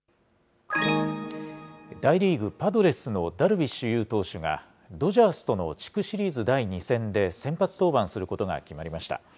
大リーグ・パドレスのダルビッシュ有投手が、ドジャースとの地区シリーズ第２戦で、先発登板することが決まりました。